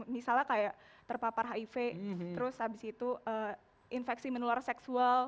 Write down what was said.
misalnya kayak terpapar hiv terus habis itu infeksi menular seksual